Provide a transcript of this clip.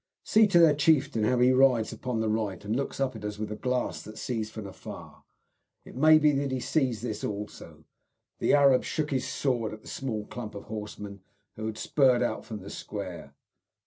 See to their chieftain, how he rides upon the right and looks up at us with the glass that sees from afar! It may be that he sees this also." The Arab shook his sword at the small clump of horsemen who had spurred out from the square.